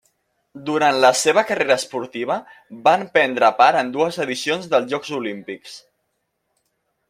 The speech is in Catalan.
Durant la seva carrera esportiva van prendre part en dues edicions dels Jocs Olímpics.